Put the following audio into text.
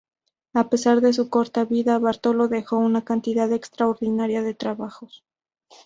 A pesar de su corta vida, Bartolo dejó una cantidad extraordinaria de trabajos.